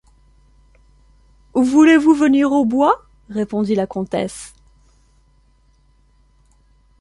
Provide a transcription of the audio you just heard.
Voulez-vous venir au bois? répondit la comtesse.